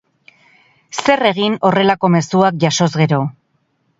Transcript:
Zer egin horrelako mezuak jasoz gero?